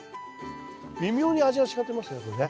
微妙に味が違ってますねこれね。